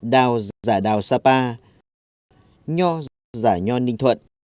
đào giả đào sapa nho giả nho ninh thuận